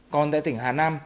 còn tại tỉnh hà nam